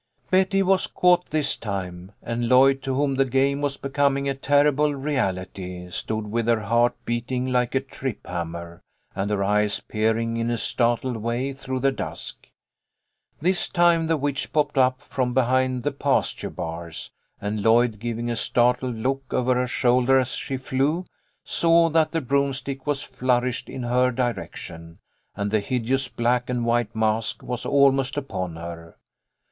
Betty was caught this time, and Lloyd, to whom the game was becoming a terrible reality, stood with her heart beating like a trip hammer and her eyes peering in a startled way through the dusk. This time the witch popped up from behind the pasture bars, and Lloyd, giving a startled look over her shoulder as she flew, saw that the broomstick was flourished in her direction, and the hideous black and white mask was almost upon her.